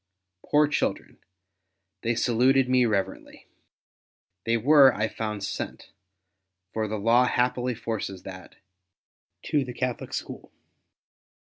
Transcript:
Poor children ! they saluted me reverently. They were, I found, sent — for the law happily forces that — to the Catholic School.